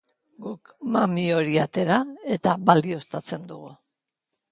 Guk mami hori atera eta balioztatzen dugu.